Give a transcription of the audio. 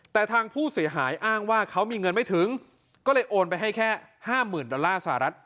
แต่ทางผู้เสียหายอ้างว่าเขามีเงินไม่ถึงก็เลยโอนไปให้แค่๕๐๐๐ดอลลาร์สหรัฐ